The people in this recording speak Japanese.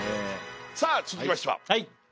さあ続きましては。